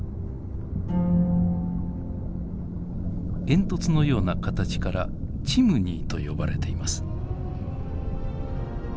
煙突のような形からチムニーと呼ばれています。